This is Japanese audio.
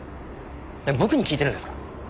えっ僕に聞いてるんですか？